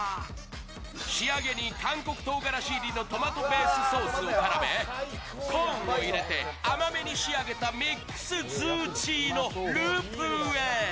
仕上げに韓国とうがらし入りのトマトベースソースを絡めコーンを入れて、甘めに仕上げたミックスズーチーのループーへ。